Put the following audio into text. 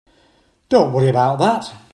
Don't worry about that.